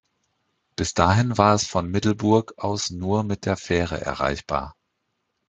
Bis dahin war es von Middelburg aus nur mit der Fähre erreichbar.